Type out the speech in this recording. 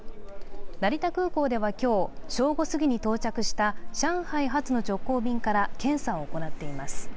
成田空港では今日正午すぎに到着した上海発の直行便から検査を行っています。